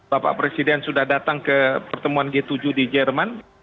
bapak presiden sudah datang ke pertemuan g tujuh di jerman